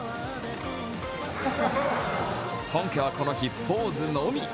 本家はこの日、ポーズのみ。